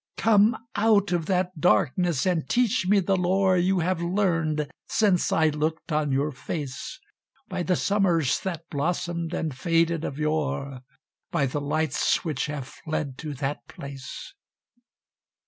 "Come out of that darkness and teach me the lore You have learned since I looked on your face; By the summers that blossomed and faded of yore By the lights which have fled to that place!